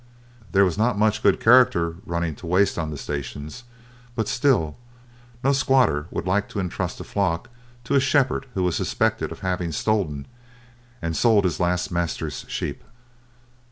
There was not much good character running to waste on the stations, but still no squatter would like to entrust a flock to a shepherd who was suspected of having stolen and sold his last master's sheep.